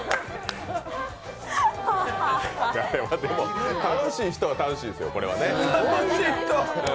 あれは、でも、楽しい人は楽しいですよね。